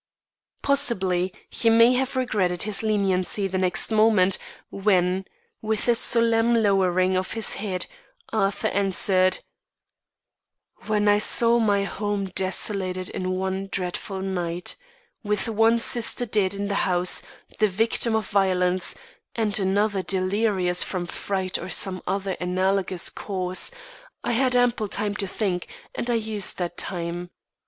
Possibly he may have regretted his leniency the next moment when, with a solemn lowering of his head, Arthur answered: "When I saw my home desolated in one dreadful night. With one sister dead in the house, the victim of violence, and another delirious from fright or some other analogous cause, I had ample time to think and I used that time.